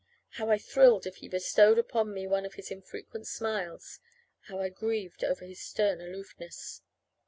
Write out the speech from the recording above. How I thrilled if he bestowed upon me one of his infrequent smiles! How I grieved over his stern aloofness!